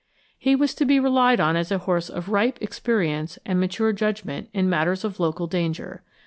He was to be relied on as a horse of ripe, experience and mature judgment in matters of local danger.